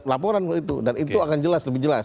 laporan itu dan itu akan jelas lebih jelas